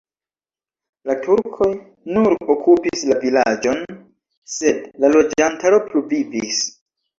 La turkoj nur okupis la vilaĝon, sed la loĝantaro pluvivis.